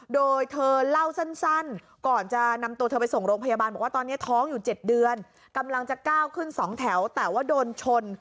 โดยเธอเล่าสั้นก่อนจะนำตัวเธอไปส่งโรงพยาบาลบอกว่าตอนนี้ท้องอยู่๗เดือนกำลังจะก้าวขึ้น๒แถวแต่ว่าโดนชน